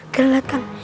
kalian lihat kan